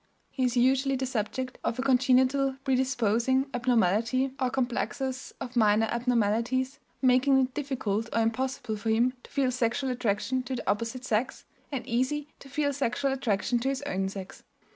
He is usually the subject of a congenital predisposing abnormality, or complexus of minor abnormalities, making it difficult or impossible for him to feel sexual attraction to the opposite sex, and easy to feel sexual attraction to his own sex.